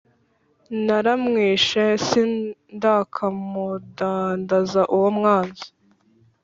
Naramwishe sindakamudandaza uwo mwanzi,